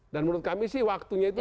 dan menurut kami sih waktunya itu